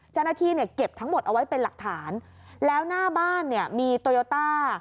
เจ้าหน้าที่เนี่ยเก็บทั้งหมดเอาไว้เป็นหลักฐานแล้วหน้าบ้านเนี่ยมีโตโยต้า